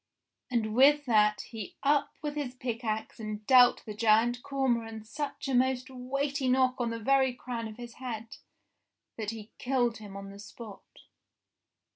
And with that he up with his pickaxe and dealt the Giant Cor moran such a most weighty knock on the very crown of his head, that he killed him on the spot.